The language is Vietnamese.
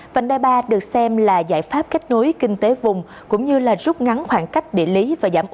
vành đai ba được xem là giải pháp kết nối kinh tế vùng cũng như rút ngắn khoảng cách địa lý và giảm ô